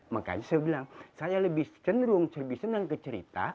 makanya saya bilang saya lebih cenderung lebih senang ke cerita